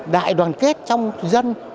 đại đoàn kết trong dân